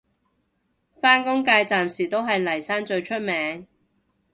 返工界暫時都係嚟生最出名